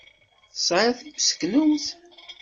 Tesɛid timseknewt?